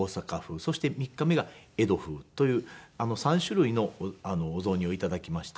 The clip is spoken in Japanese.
そして３日目が江戸風という３種類のお雑煮を頂きまして。